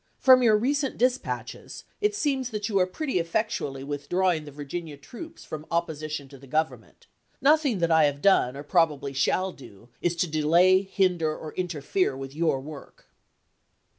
From your recent dispatches, it seems that you are pretty effectually with drawing the Virginia troops from opposition to the Gov Ligcoin to ernment. Nothing that I have done, or probably shall April 6, 1865. do, is to delay, hinder, or interfere with your work.